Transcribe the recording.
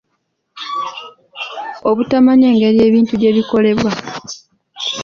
Obutamanya engeri ebintu gye bikolebwa.